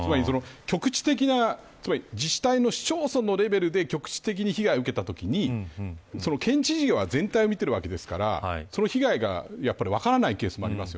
局地的な自治体の市町村のレベルで局地的に被害を受けたときに県知事は全体を見ているわけですからその被害が分からないケースもあります。